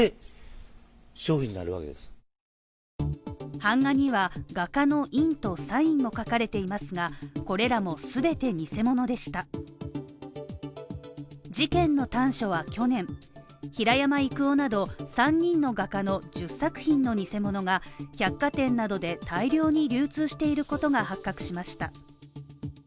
版画には画家の印とサインがされていますが、これらも全て偽物でした事件の端緒は去年、平山郁夫など３人の画家の１０作品の偽物が百貨店などで大量に流通していることが発覚しました。